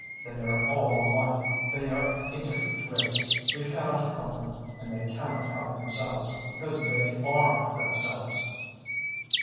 They are all alike; they are a different race. We cannot help them, and they cannot help themselves, because they are themselves."